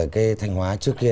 cái thanh hóa trước kia